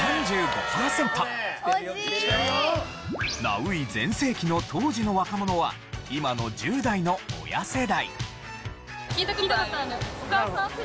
ナウい全盛期の当時の若者は今の１０代の親世代。